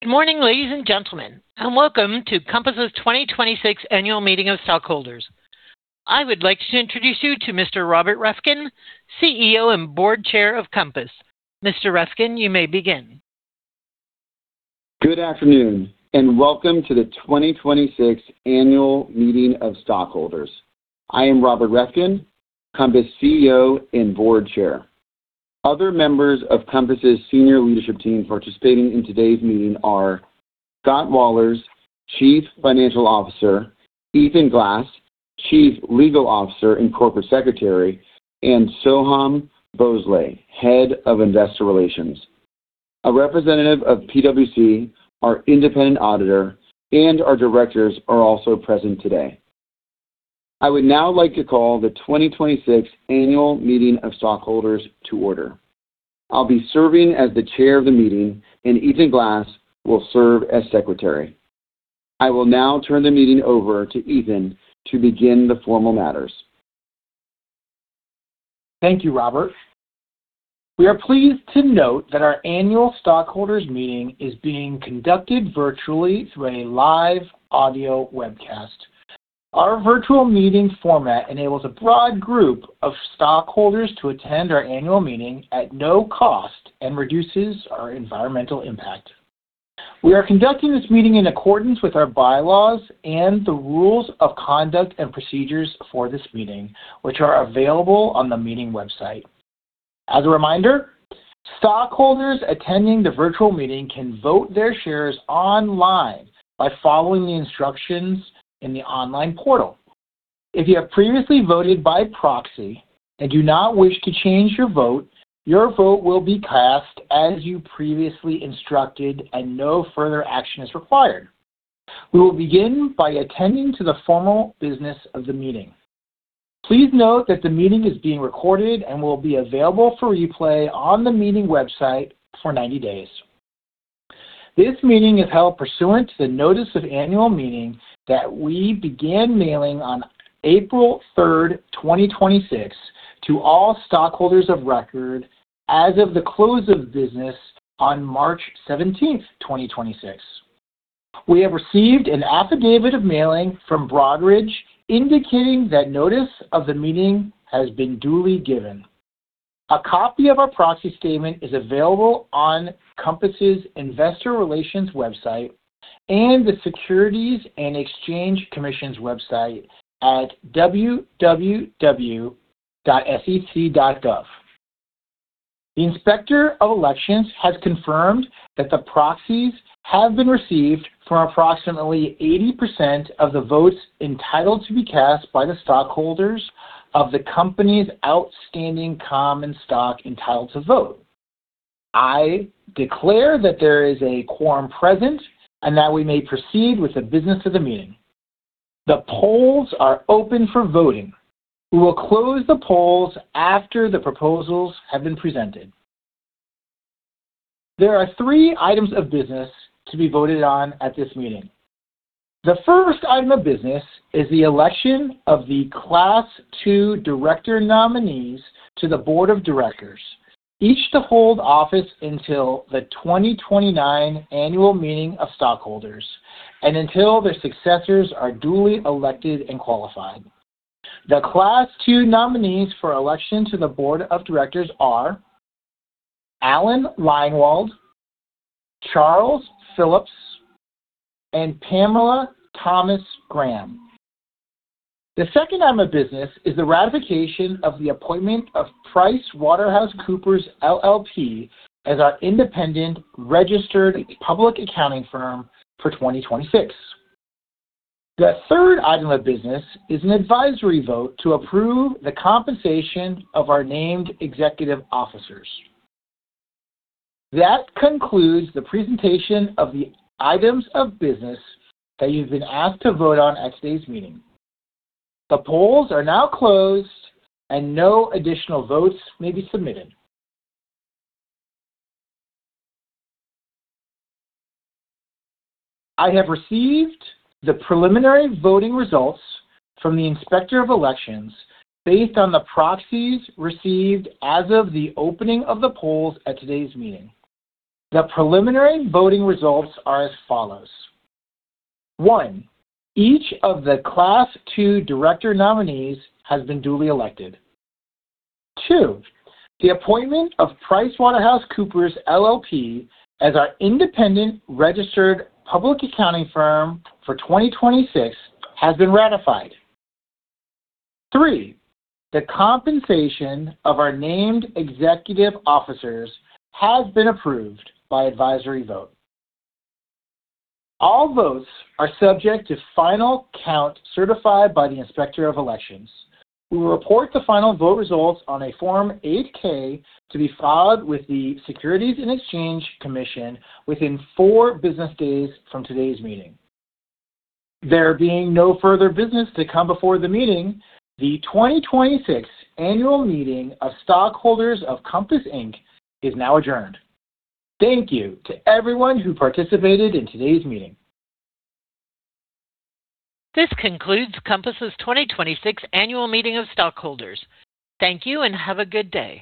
Good morning, ladies and gentlemen, and welcome to Compass's 2026 Annual Meeting of Stockholders. I would like to introduce you to Mr. Robert Reffkin, CEO and Board Chair of Compass. Mr. Reffkin, you may begin. Good afternoon and welcome to the 2026 annual meeting of stockholders. I am Robert Reffkin, Compass CEO and Board Chair. Other members of Compass's senior leadership team participating in today's meeting are Scott Wahlers, Chief Financial Officer, Ethan Glass, Chief Legal Officer and Corporate Secretary, and Soham Bhonsle, Head of Investor Relations. A representative of PwC, our independent auditor, and our directors are also present today. I would now like to call the 2026 annual meeting of stockholders to order. I'll be serving as the Chair of the meeting, and Ethan Glass will serve as Secretary. I will now turn the meeting over to Ethan to begin the formal matters. Thank you, Robert. We are pleased to note that our annual stockholders meeting is being conducted virtually through a live audio webcast. Our virtual meeting format enables a broad group of stockholders to attend our annual meeting at no cost and reduces our environmental impact. We are conducting this meeting in accordance with our bylaws and the rules of conduct and procedures for this meeting, which are available on the meeting website. As a reminder, stockholders attending the virtual meeting can vote their shares online by following the instructions in the online portal. If you have previously voted by proxy and do not wish to change your vote, your vote will be cast as you previously instructed and no further action is required. We will begin by attending to the formal business of the meeting. Please note that the meeting is being recorded and will be available for replay on the meeting website for 90 days. This meeting is held pursuant to the notice of annual meeting that we began mailing on April 3rd, 2026 to all stockholders of record as of the close of business on March 17th, 2026. We have received an affidavit of mailing from Broadridge indicating that notice of the meeting has been duly given. A copy of our proxy statement is available on Compass' investor relations website and the Securities and Exchange Commission's website at www.sec.gov. The Inspector of Elections has confirmed that the proxies have been received from approximately 80% of the votes entitled to be cast by the stockholders of the company's outstanding common stock entitled to vote. I declare that there is a quorum present and that we may proceed with the business of the meeting. The polls are open for voting. We will close the polls after the proposals have been presented. There are three items of business to be voted on at this meeting. The first item of business is the election of the Class two director nominees to the board of directors, each to hold office until the 2029 annual meeting of stockholders and until their successors are duly elected and qualified. The Class two nominees for election to the board of directors are Allan Leinwand, Charles Phillips, and Pamela Thomas-Graham. The second item of business is the ratification of the appointment of PricewaterhouseCoopers LLP as our independent registered public accounting firm for 2026. The third item of business is an advisory vote to approve the compensation of our named executive officers. That concludes the presentation of the items of business that you've been asked to vote on at today's meeting. The polls are now closed, and no additional votes may be submitted. I have received the preliminary voting results from the Inspector of Elections based on the proxies received as of the opening of the polls at today's meeting. The preliminary voting results are as follows. One, each of the class two director nominees has been duly elected. Two, the appointment of PricewaterhouseCoopers LLP as our independent registered public accounting firm for 2026 has been ratified. Three, the compensation of our named executive officers has been approved by advisory vote. All votes are subject to final count certified by the Inspector of Elections, who will report the final vote results on a Form 8-K to be filed with the Securities and Exchange Commission within four business days from today's meeting. There being no further business to come before the meeting, the 2026 annual meeting of stockholders of Compass, Inc. is now adjourned. Thank you to everyone who participated in today's meeting. This concludes Compass's 2026 annual meeting of stockholders. Thank you and have a good day.